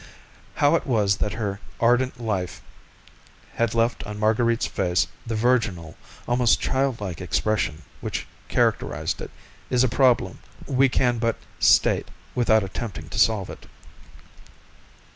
How it was that her ardent life had left on Marguerite's face the virginal, almost childlike expression, which characterized it, is a problem which we can but state, without attempting to solve it.